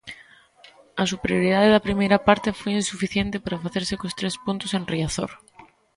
A superioridade da primeira parte foi insuficiente para facerse cos tres puntos en Riazor.